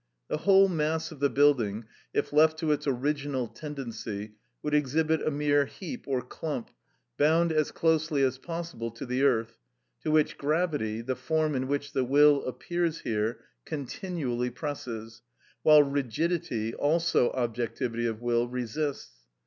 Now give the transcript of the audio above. The whole mass of the building, if left to its original tendency, would exhibit a mere heap or clump, bound as closely as possible to the earth, to which gravity, the form in which the will appears here, continually presses, while rigidity, also objectivity of will, resists.